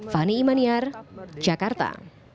fani imaniar jakarta